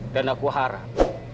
dan aku harap